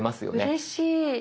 うれしい。